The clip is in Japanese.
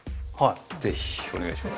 ぜひお願いします。